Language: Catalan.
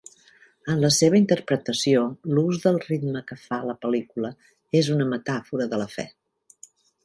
En la seva interpretació, l'ús del ritme que fa la pel·lícula és una metàfora de la fe.